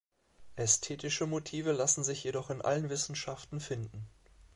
Ästhetische Motive lassen sich jedoch in allen Wissenschaften finden.